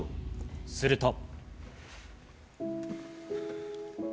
すると。